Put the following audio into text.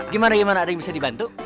gimana gimana ada yang bisa dibantu